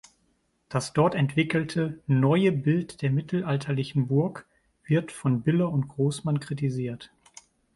Das dort entwickelte „neue Bild der mittelalterlichen Burg“ wird von Biller und Großmann kritisiert.